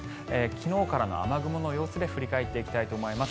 昨日からの雨雲の様子で振り返っていきたいと思います。